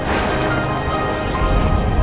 salah satu dari mereka